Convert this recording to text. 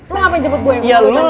lu ngapain jebet gua yang kemana kemana